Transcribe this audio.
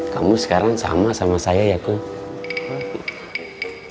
kamu sekarang sama sama saya ya kuh